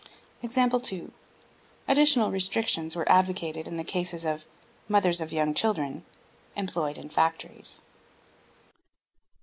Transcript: Additional restrictions were advocated in the cases of mothers of young children employed in factories.